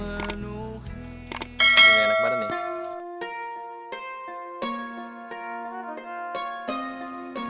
engga enak badan ya